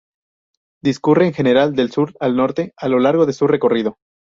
Discurre, en general, de sur a norte a lo largo de su recorrido.